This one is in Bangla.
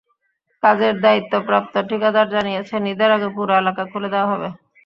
কাজের দায়িত্বপ্রাপ্ত ঠিকাদার জানিয়েছেন, ঈদের আগে পুরো এলাকা খুলে দেওয়া হবে।